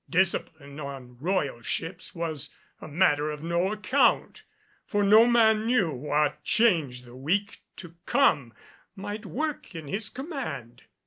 Discipline on royal ships was a matter of no account, for no man knew what change the week to come might work in his command.